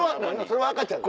それは赤ちゃん？